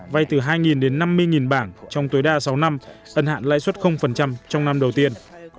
vay từ hai đến năm mươi bảng trong tối đa sáu năm ân hạn lãi suất trong năm đầu tiên